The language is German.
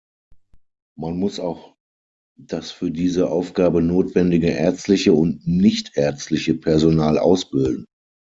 Man muss auch das für diese Aufgabe notwendige ärztliche und nichtärztliche Personal ausbilden.